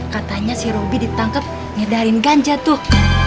katanya si robby ditangkep ngedarin ganja tuh